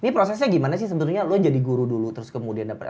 ini prosesnya gimana sih sebetulnya lo jadi guru dulu terus kemudian dapat